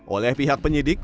oleh pihak penyidik